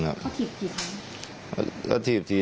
อยากดูตัวนี้